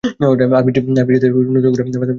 আরবি জাতের উন্নত ঘোড়া বাতাসের গতিতে চলতে থাকে।